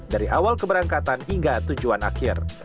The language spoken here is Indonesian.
dari awal keberangkatan hingga tujuan akhir